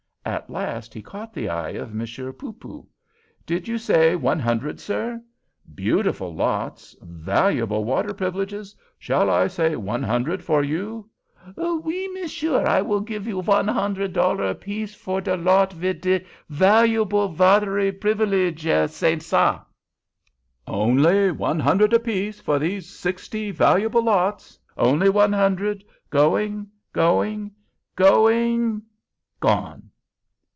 At last he caught the eye of Monsieur Poopoo. "Did you say one hundred, sir? Beautiful lots—valuable water privileges—shall I say one hundred for you?" "Oui, monsieur; I will give you von hundred dollar apiece, for de lot vid de valuarble vatare privalege; c'est ça." "Only one hundred apiece for these sixty valuable lots—only one hundred—going—going—going—gone!"